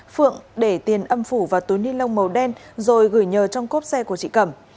phượng để tiền âm phủ vào túi ni lông màu đen rồi gửi nhờ trong cốp xe của chị cẩm